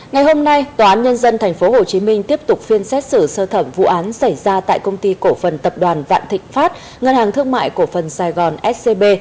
ngày hôm nay tòa án nhân dân tp hcm tiếp tục phiên xét xử sơ thẩm vụ án xảy ra tại công ty cổ phần tập đoàn vạn thịnh pháp ngân hàng thương mại cổ phần sài gòn scb